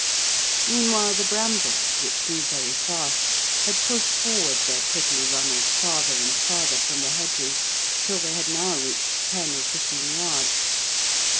Meanwhile, the brambles, which grew very fast, had pushed forward their prickly runners farther and farther from the hedges till they had now reached ten or fifteen yards.